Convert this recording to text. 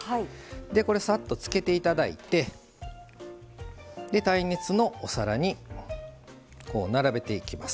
これさっとつけていただいて耐熱のお皿に並べていきます。